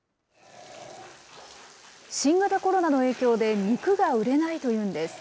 新型コロナの影響で肉が売れないというんです。